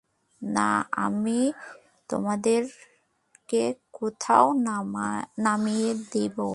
না, আমি তোমাদেরকে কোথাও নামিয়ে দেবো।